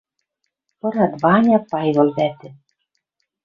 Пырат Ваня, Пайвыл вӓтӹ...